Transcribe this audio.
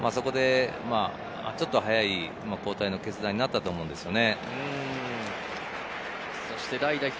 ちょっと早い交代の決断になったと思うんですよね。